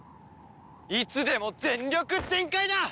いつでも全力全開だ！